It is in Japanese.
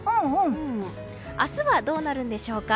明日はどうなるんでしょうか。